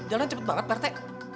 jalan cepet banget partai